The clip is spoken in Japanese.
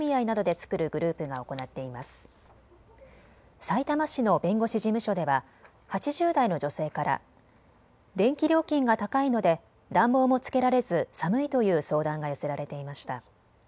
さいたま市の弁護士事務所では８０代の女性から電気料金が高いので暖房もつけられず寒いという相談が寄せられていました。